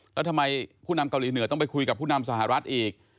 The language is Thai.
แล้วทำไมผู้นำเกาหลีเหนือต้องไปคุยกับผู้นำสหรัฐอีก